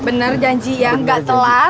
bener janji ya gak telat